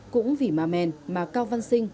cũng vì ma men mà cao văn sinh